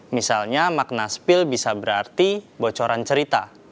misalnya makna spill bisa berarti bocoran cerita